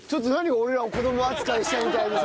俺らを子ども扱いしたみたいにさ！